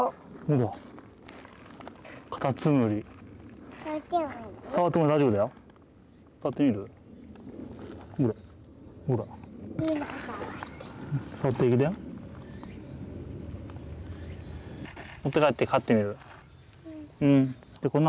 うん。